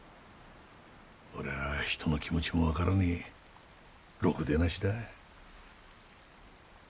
俺は人の気持ちも分からねえろくでなしだ。